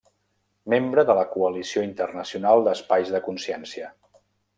Membre de la Coalició Internacional d’Espais de Consciència.